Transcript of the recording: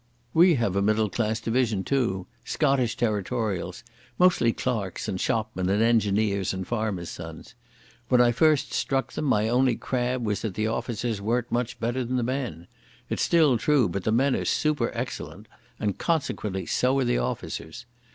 We have a middle class division, too—Scottish Territorials, mostly clerks and shopmen and engineers and farmers' sons. When I first struck them my only crab was that the officers weren't much better than the men. It's still true, but the men are super excellent, and consequently so are the officers.